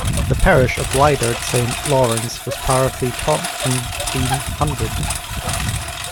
The parish of Lydeard Saint Lawrence was part of the Taunton Deane Hundred.